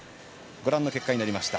ご覧の結果になりました。